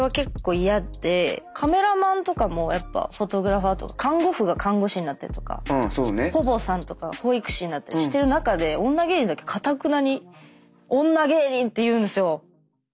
カメラマンとかもやっぱフォトグラファーとか看護婦が看護師になってるとか保母さんとかが保育士になったりしてる中で女芸人だけかたくなに「女芸人」っていうんですよ。